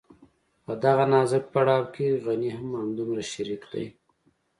په دغه نازک پړاو کې غني هم همدومره شريک دی.